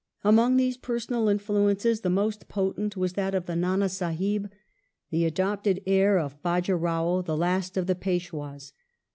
Among these pei sonal influences the most potent was that of the Nand Sahib, the adopted heir of Bdji Rao the last of the Peshwds.